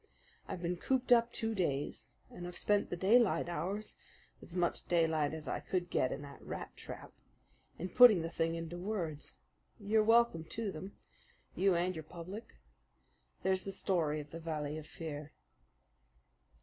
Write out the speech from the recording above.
I've been cooped up two days, and I've spent the daylight hours as much daylight as I could get in that rat trap in putting the thing into words. You're welcome to them you and your public. There's the story of the Valley of Fear."